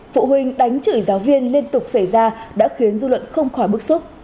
phụ huynh đánh chửi giáo viên liên tục xảy ra đã khiến dư luận không khỏi bức xúc